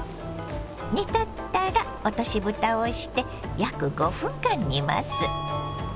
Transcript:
煮立ったら落としぶたをして約５分間煮ます。